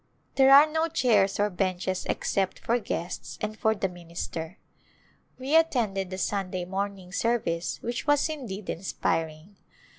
There are no chairs or benches except for guests and for the minister. We attended the Sunday morning service which was indeed inspiring.